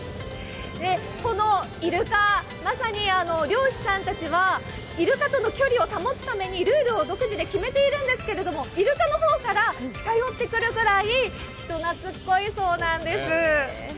このイルカ、まさに漁師さんたちはイルカとの距離を保つためにルールを独自で決めているんですけれども、イルカの方から近寄ってくるくらい人なつこいそうなんです。